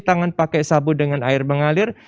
tangan pakai sabu dengan air mengalir